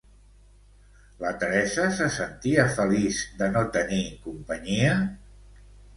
La Teresa se sentia feliç de no tenir companyia?